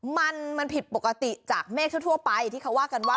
มันมันผิดปกติจากเมฆทั่วไปที่เขาว่ากันว่า